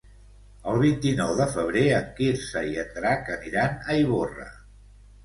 El vint-i-nou de febrer en Quirze i en Drac aniran a Ivorra.